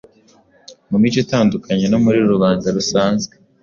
mu mico itandukanye no muri rubanda rusanzwe,